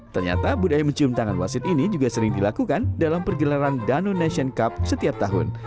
ternyata budaya mencium tangan wasit ini juga sering dilakukan dalam pergelaran danau nation cup setiap tahun